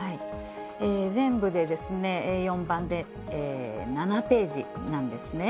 全部でＡ４版で７ページなんですね。